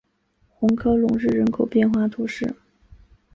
红科隆日人口变化图示